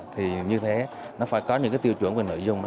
thì như thế nó phải có những cái tiêu chuẩn về nội dung đó